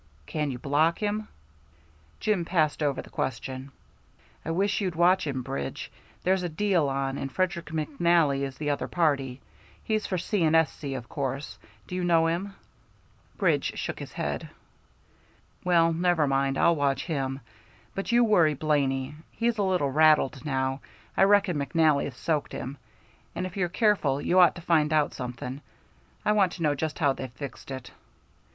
"Can you block him?" Jim passed over the question. "I wish you'd watch him, Bridge. There's a deal on, and Frederick McNally is the other party. He's for C. & S.C. of course. Do you know him?" Bridge shook his head. "Well, never mind. I'll watch him. But you worry Blaney. He's a little rattled now, I reckon McNally's soaked him, and if you're careful you ought to find out something. I want to know just how they've fixed it."